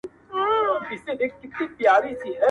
لمبو وهلی سوځولی چنار-